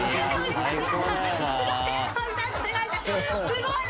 「すごい！